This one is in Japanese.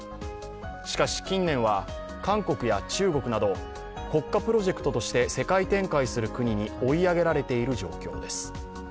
しかし、近年は韓国や中国など国家プロジェクトとして世界展開する国に追い上げられている状況です。